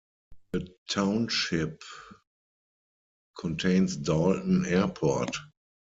The township contains Dalton Airport.